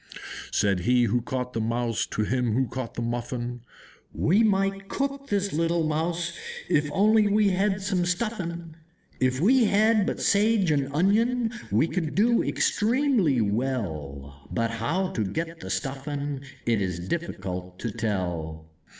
Said he who caught the Mouse to him who caught the Muffin, "We might cook this little Mouse, if we only had some Stuffin'! If we had but Sage and Onion we could do extremely well; But how to get that Stuffin' it is difficult to tell!"